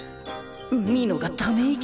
海野がため息！？